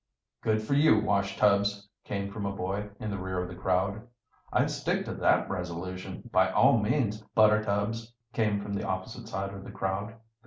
"Good for you Washtubs!" came from a boy in the rear of the crowd. "I'd stick to that resolution, by all means, Buttertubs," came from the opposite side of the crowd.